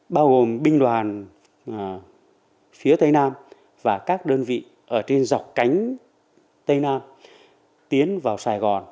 bao gồm binh đoàn phía tây nam và các đơn vị ở trên dọc cánh tây nam tiến vào sài gòn